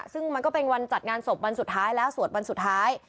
ซึ่งมันก็เป็นวันจัดงานศพวันสุดท้ายแล้วสวดวันสุดท้าย